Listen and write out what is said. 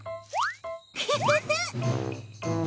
フフフ。